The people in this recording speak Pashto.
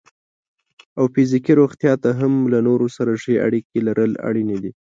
او فزیکي روغتیا ته هم له نورو سره ښې اړیکې لرل اړینې دي.